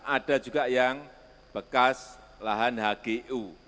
ada juga yang bekas lahan hgu